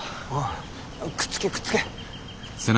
くっつけくっつけ。